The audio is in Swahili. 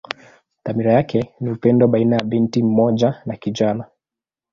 Dhamira yake ni upendo baina binti mmoja na kijana.